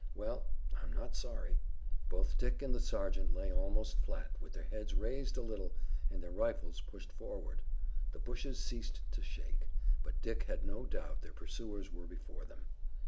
Well, I'm not sorry." Both Dick and the sergeant lay almost flat with their heads raised a little, and their rifles pushed forward. The bushes ceased to shake, but Dick had no doubt their pursuers were before them.